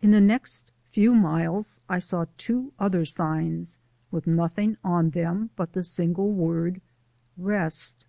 In the next few miles I saw two other signs with nothing on them but the word "Rest."